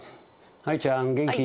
愛ちゃん元気？